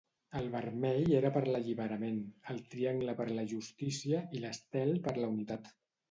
El vermell era per l'alliberament, el triangle per la justícia i l'estel per la unitat.